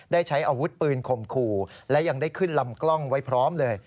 ได้ใช้อาวุธปืนข่มขู่และยังได้ขึ้นลำกล้องไว้พร้อมเลย